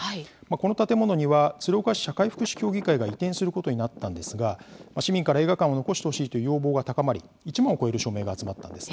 この建物には鶴岡市社会福祉協議会が移転することになったんですが市民から映画館を残してほしいという要望が高まり１万を超える署名が集まったんです。